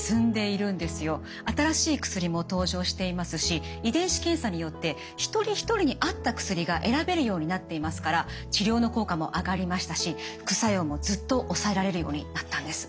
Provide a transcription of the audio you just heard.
新しい薬も登場していますし遺伝子検査によって一人一人に合った薬が選べるようになっていますから治療の効果も上がりましたし副作用もずっと抑えられるようになったんです。